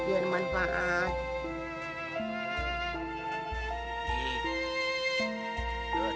biar aku ambil